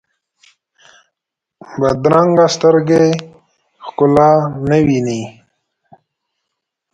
بدرنګه سترګې ښکلا نه ویني